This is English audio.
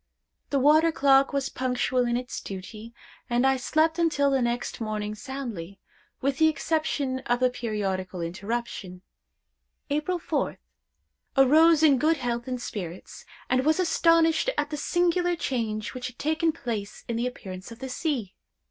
The water clock was punctual in its duty, and I slept until next morning soundly, with the exception of the periodical interruption. "April 4th. Arose in good health and spirits, and was astonished at the singular change which had taken place in the appearance of the sea.